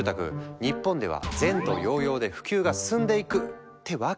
日本では前途洋々で普及が進んでいく！ってわけでもない。